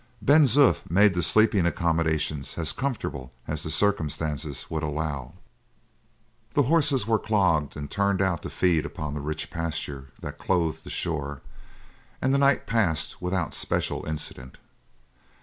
Ben Zoof made the sleeping accommodation as comfortable as the circumstances would allow; the horses were clogged and turned out to feed upon the rich pasture that clothed the shore, and the night passed without special incident.